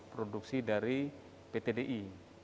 produksi dari ptdi